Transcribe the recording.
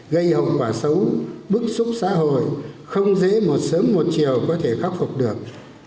gây hậu quả xấu bức xúc xã hội không dễ một sớm một chiều có thể khắc phục được